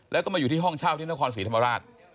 แล้วก็มาอยู่ที่ห้องเช่าที่นครศรีธรรมราช